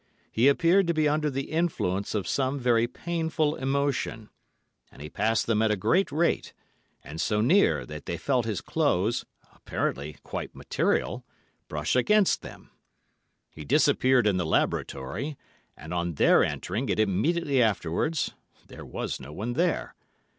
He appeared to be under the influence of some very painful emotion, and he passed them at a great rate, and so near that they felt his clothes—apparently quite material—brush against them. He disappeared in the laboratory, and on their entering it immediately afterwards, there was no one there.